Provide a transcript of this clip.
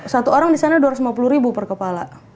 satu orang disana rp dua ratus lima puluh per kepala